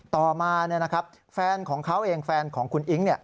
ต่อมาแฟนของเขาเองแฟนของคุณอิ๊ง